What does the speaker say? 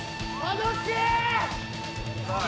楽しい！